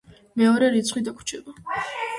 მეორე რიცხვი დაგვრჩება.